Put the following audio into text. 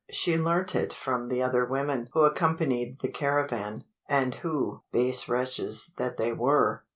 She learnt it from the other women who accompanied the caravan; and who, base wretches that they were!